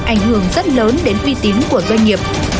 ảnh hưởng rất lớn đến uy tín của doanh nghiệp